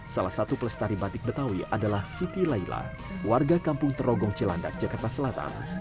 salah satu pelestari batik betawi adalah siti laila warga kampung terogong cilandak jakarta selatan